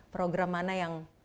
program mana yang